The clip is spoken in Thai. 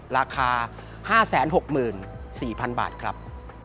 ราคา๕๖๔๐๐๐บาทครับ